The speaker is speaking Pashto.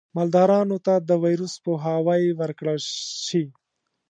مالدارانو ته د ویروس پوهاوی ورکړل شي.